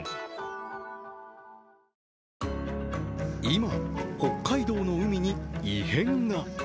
今、北海道海に異変が。